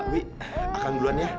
wih akang duluan ya